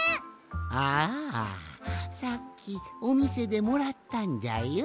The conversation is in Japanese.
ああさっきおみせでもらったんじゃよ。